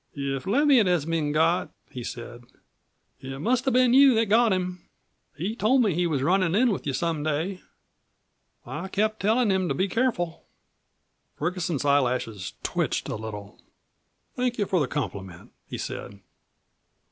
"If Leviatt has been got," he said, "it must have been you that got him. He told me he was runnin' in with you some day. I kept tellin' him to be careful." Ferguson's eyelashes twitched a little. "Thank you for the compliment," he said.